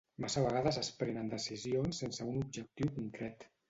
Massa vegades es prenen decisions sense un objectiu concret.